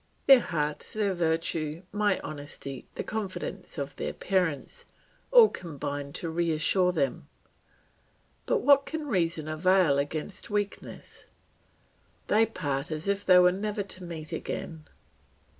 Their hearts, their virtue, my honesty, the confidence of their parents, all combine to reassure them. But what can reason avail against weakness? They part as if they were never to meet again.